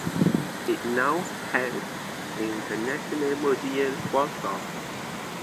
It now hangs in the National Museum, Warsaw.